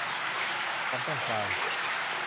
ความต้องการ